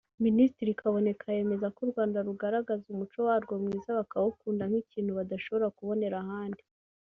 Minisitiri Kaboneka yemeza ko u Rwanda rugaragaza umuco warwo mwiza bakawukunda nk’ikintu badashobora kubonera ahandi